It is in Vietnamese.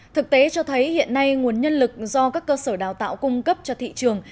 thực tế cho thấy hiện nay nguồn nhân lực do các cơ sở đào tạo cung cấp cho thị trường